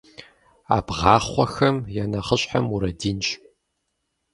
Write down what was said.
Ӏэбгъахъуэхэм я нэхъыщхьэр Мурадинщ.